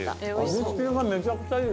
味付けがめちゃくちゃいい。